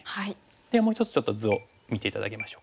ではもう一つちょっと図を見て頂きましょうかね。